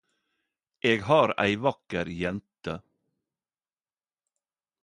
Eg har ei vakker jente